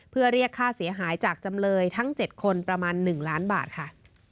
เพื่อเรียกค่าเสียหายจากจำเลยทั้ง๗คนประมาณ๑ล้านบาทค่ะ